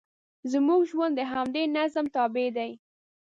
زموږ ژوند د همدې نظم تابع دی.